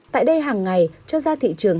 tại đây hàng ngày cho ra thị trường